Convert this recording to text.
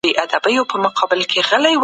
استازي د هېواد د اقتصاد پياوړي کولو هڅه کوي.